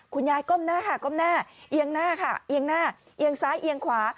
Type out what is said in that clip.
ก้มหน้าค่ะก้มหน้าเอียงหน้าค่ะเอียงหน้าเอียงซ้ายเอียงขวา